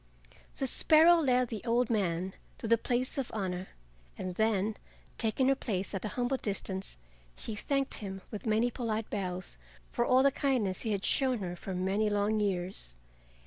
The sparrow led the old man to the place of honor, and then, taking her place at a humble distance, she thanked him with many polite bows for all the kindness he had shown her for many long years.